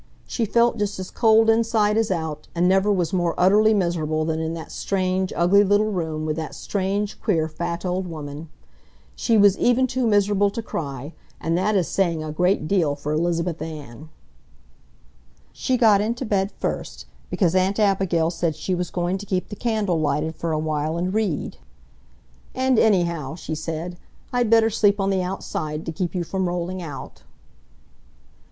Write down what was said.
She felt just as cold inside as out, and never was more utterly miserable than in that strange, ugly little room, with that strange, queer, fat old woman. She was even too miserable to cry, and that is saying a great deal for Elizabeth Ann! She got into bed first, because Aunt Abigail said she was going to keep the candle lighted for a while and read. "And anyhow," she said, "I'd better sleep on the outside to keep you from rolling out."